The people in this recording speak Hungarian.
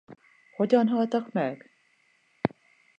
Hogyan haltak meg?